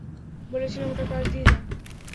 বলেছিলাম ওটার পাশ দিয়ে যাও।